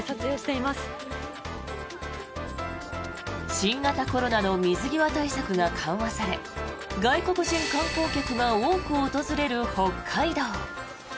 新型コロナの水際対策が緩和され外国人観光客が多く訪れる北海道。